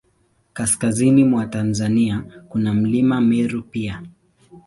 Kaskazini mwa Tanzania, kuna Mlima Meru pia.